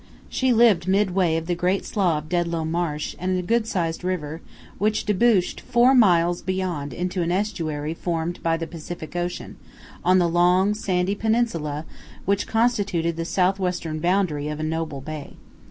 She lived midway of the great slough of Dedlow Marsh and a good sized river, which debouched four miles beyond into an estuary formed by the Pacific Ocean, on the long sandy peninsula which constituted the southwestern boundary of a noble bay.